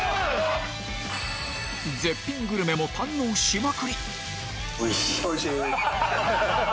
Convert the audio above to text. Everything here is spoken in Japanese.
絶品グルメも堪能しまくり